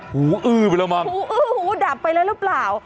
หูอื้อไปแล้วมั้งหูอื้อหูดับไปแล้วหรือเปล่า